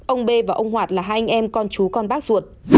ông b và ông hoạt là hai anh em con chú con bác ruột